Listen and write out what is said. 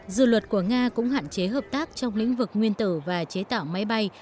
dự luật của nga cũng hạn chế hợp tác trong lĩnh vực nguyên tử và chế tạo máy bay